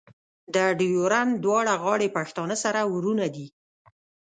د ډیورنډ دواړه غاړې پښتانه سره ورونه دي.